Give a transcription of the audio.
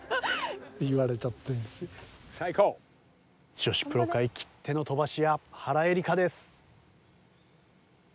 女子プロ界きっての飛ばし屋原英莉花です。